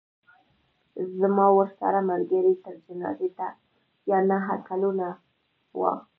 زما ورسره ملګرۍ تر جنازې اته یا نهه کلونه وه.